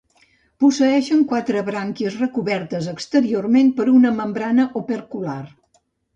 Posseeixen quatre brànquies recobertes exteriorment per una membrana opercular.